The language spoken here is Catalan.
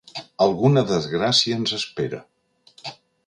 Alguna desgràcia ens espera.